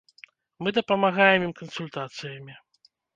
Мы дапамагаем ім кансультацыямі.